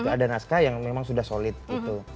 ada naskah yang memang sudah solid gitu